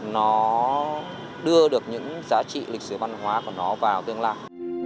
nó đưa được những giá trị lịch sử văn hóa của nó vào tương lai